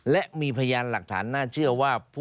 และมีพยานหลักฐานน่าเชื่อว่า